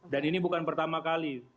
dan ini bukan pertama kali